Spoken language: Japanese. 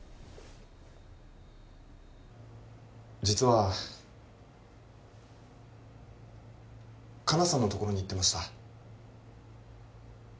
実は香菜さんのところに行ってました